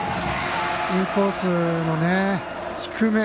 インコースの低め。